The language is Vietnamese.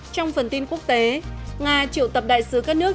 trong phần tin quốc tế nga triệu tập đại sứ các nước